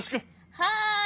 はい！